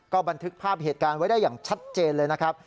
บันทึกภาพเหตุการณ์ไว้ได้อย่างชัดเจนเลยนะครับ